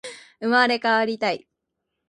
生まれ変わりたい